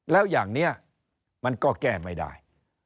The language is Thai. แล้วอย่างนี้มันก็แก้ไม่ได้